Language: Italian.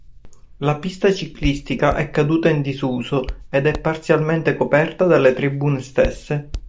La pista ciclistica è caduta in disuso ed è parzialmente coperta dalle tribune stesse.